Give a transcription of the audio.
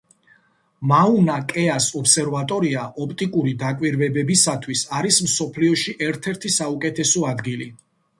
მაუნა-კეას ობსერვატორია ოპტიკური დაკვირვებებისათვის არის მსოფლიოში ერთ-ერთი საუკეთესო ადგილი.